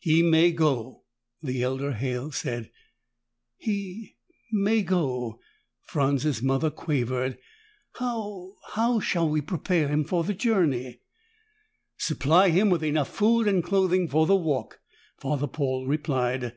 "He may go," the elder Halle said. "He may go," Franz's mother quavered. "How how shall we prepare him for the journey?" "Supply him with enough food and clothing for the walk," Father Paul replied.